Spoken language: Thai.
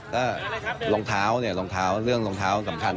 ก็รองเท้าเนี่ยรองเท้าเรื่องรองเท้าสำคัญ